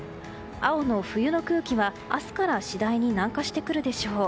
青の冬の空気は明日から次第に南下してくるでしょう。